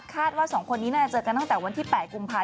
ว่า๒คนนี้น่าจะเจอกันตั้งแต่วันที่๘กุมภาค